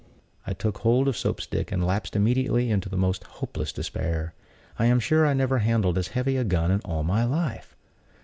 I took hold of Soap stick, and lapsed immediately into the most hopeless despair. I am sure I never handled as heavy a gun in all my life.